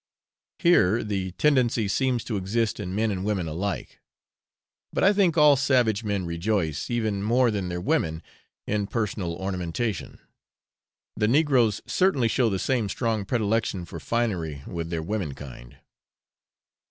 Here the tendency seems to exist in men and women alike; but I think all savage men rejoice, even more than their women, in personal ornamentation. The negroes certainly show the same strong predilection for finery with their womenkind.